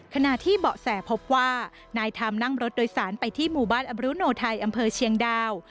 ขณะที่เบาะแสพบว่านายธรรมนั่งรถโดยสารไปที่หมู่บ้านอบรุโนไทยอำเภอเชียงดาว